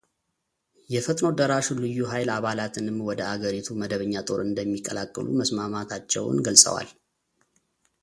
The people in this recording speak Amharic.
የፈጥኖ ደራሹ ልዩ ኃይል አባላትንም ወደ አገሪቱ መደበኛ ጦር እንደሚቀላቀሉ መስማማታቸውን ገልጸዋል።